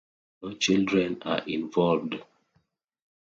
No children are involved.